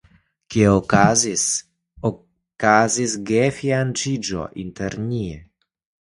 Ke okazis okazis ia gefianĉiĝo inter ni.